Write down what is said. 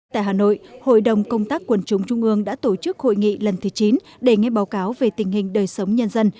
tại hà nội hội đồng công tác quần chúng trung ương đã tổ chức hội nghị lần thứ chín để nghe báo cáo về tình hình đời sống nhân dân